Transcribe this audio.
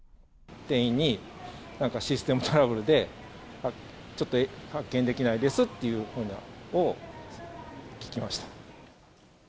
店員に、なんかシステムトラブルで、ちょっと発券できないですというようなのを聞きました。